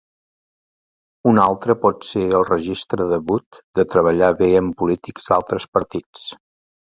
Un altre pot ser el registre de Wood de treballar bé amb polítics d'altres partits.